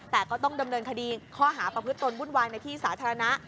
แต่ก็ต้องดำเนินคดีข้อหาประพฤติตนวุ่นวายในที่สาธารณะ